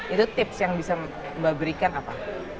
itu tips yang bisa mbak berikan apa